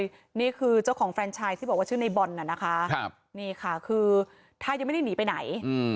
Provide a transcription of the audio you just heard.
นี่คือเจ้าของแฟนชายที่บอกว่าชื่อในบอลน่ะนะคะนี่ค่ะคือถ้ายังไม่ได้หนีไปไหน